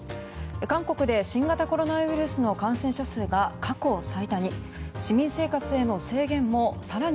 韓国で新型コロナウイルスの感染者数が過去最多に。